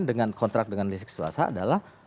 dengan kontrak dengan listrik swasta adalah